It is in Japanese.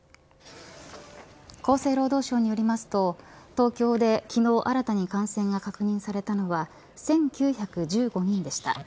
厚生労働省によりますと東京で昨日新たに感染が確認されたのは１９１５人でした。